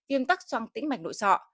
yêm tắc xoang tĩnh mạch nội sọ